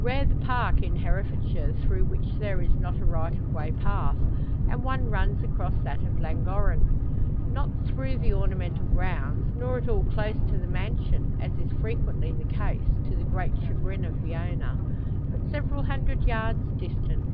Rare the park in Herefordshire through which there is not a right of way path, and one runs across that of Llangorren. Not through the ornamental grounds, nor at all close to the mansion as is frequently the case, to the great chagrin of the owner but several hundred yards distant.